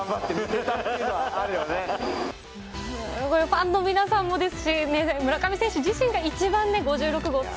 ファンの皆さんもですし村上選手自身が一番、５６号をと。